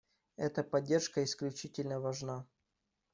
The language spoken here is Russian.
Эта поддержка исключительно важна.